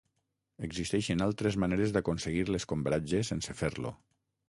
Existeixen altres maneres d'aconseguir l'escombratge sense fer-lo.